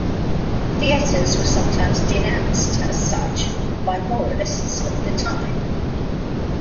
Theatres were sometimes denounced as such by moralists of the time.